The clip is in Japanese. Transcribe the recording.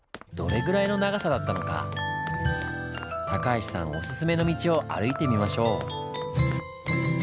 橋さんおすすめの道を歩いてみましょう。